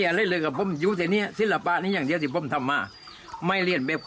ไหร่แยกให้สำหรับชายแต่ยังไม่มีเยี่ยมดูก